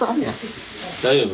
大丈夫？